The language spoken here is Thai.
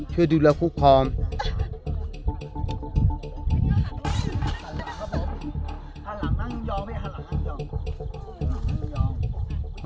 ช่วยดูแล้วคุกพร้อม